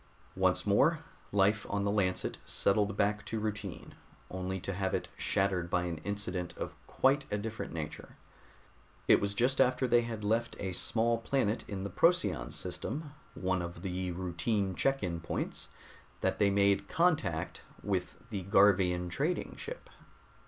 Once more life on the Lancet settled back to routine, only to have it shattered by an incident of quite a different nature. It was just after they had left a small planet in the Procyon system, one of the routine check in points, that they made contact with the Garvian trading ship.